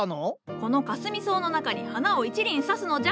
このかすみ草の中に花を一輪挿すのじゃ。